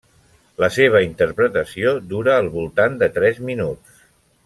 La seva interpretació dura al voltant dels tres minuts.